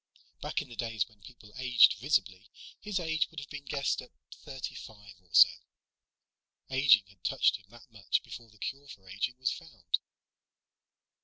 Back in the days when people aged visibly, his age would have been guessed at thirty five or so. Aging had touched him that much before the cure for aging was found.